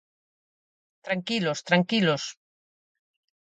Tranquilos, tranquilos.